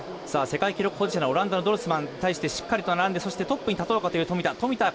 世界記録保持者のオランダのドルスマンに対してしっかりと並んでトップに立とうかという富田。